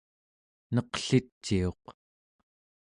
neqliciuq